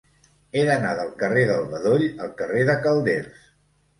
He d'anar del carrer del Bedoll al carrer de Calders.